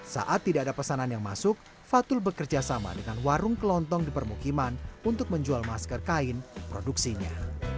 saat tidak ada pesanan yang masuk fatul bekerja sama dengan warung kelontong di permukiman untuk menjual masker kain produksinya